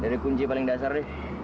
dari kunci paling dasar deh